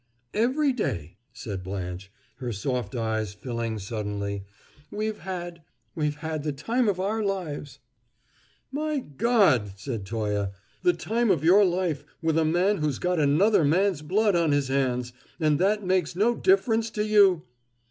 "Every day," said Blanche, her soft eyes filling suddenly. "We've had we've had the time of our lives!" "My God!" said Toye. "The time of your life with a man who's got another man's blood on his hands and that makes no difference to you!